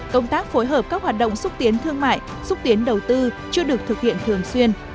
công tác phối hợp các hoạt động xúc tiến thương mại xúc tiến đầu tư chưa được thực hiện thường xuyên